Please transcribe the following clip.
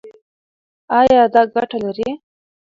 ایا دا ګټه لري؟